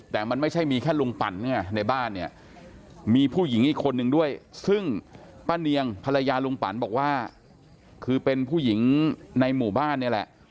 แต่มันไม่ใช่มีแค่ลุงปั่นไงในบ้านเนี่ยมีผู้หญิงอีกคนนึงด้วยซึ่งป้าเนียงภรรยาลุงปั่นบอกว่าคือเป็นผู้หญิงในหมู่บ้านนี่แหละ